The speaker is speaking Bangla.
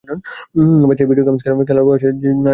বেচারির ভিডিও গেমস খেলার বয়সে, জানি না কি কি গেমস খেলতে হবে!